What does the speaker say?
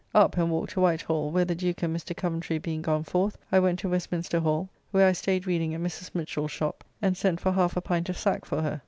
Up and walked to Whitehall, where the Duke and Mr. Coventry being gone forth I went to Westminster Hall, where I staid reading at Mrs. Mitchell's shop, and sent for half a pint of sack for her.